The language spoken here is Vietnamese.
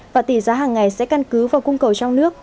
và tỷ giá hàng ngày sẽ căn cứ vào cung cầu trong nước